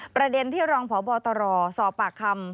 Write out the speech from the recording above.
ประเด็นที่รองพบตรสอบปากคำ